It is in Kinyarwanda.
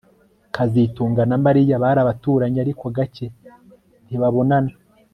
kazitunga na Mariya bari abaturanyi ariko gake ntibabonana